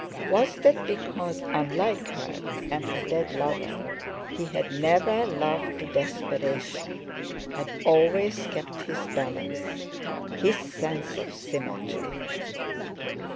Was that because—unlike her and her dead lover, he had never loved to desperation, had always kept his balance, his sense of symmetry.